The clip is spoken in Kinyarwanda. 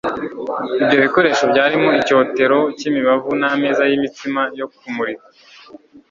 ibyo bikoresho byarimo icyotero cy'imibavu n ameza y'imitsima yo kumurikwa